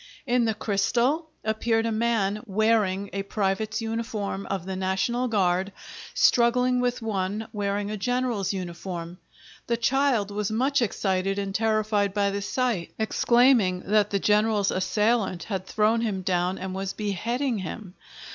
In the crystal appeared a man wearing a private's uniform of the National Guard struggling with one wearing a general's uniform. The child was much excited and terrified by the sight, exclaiming that the general's assailant had thrown him down and was beheading him.